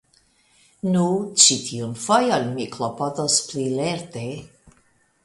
Nu, ĉi tiun fojon mi klopodos pli lerte.